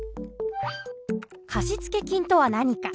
貸付金とは何か。